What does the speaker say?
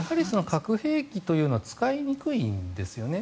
核兵器というのは使いにくいんですよね。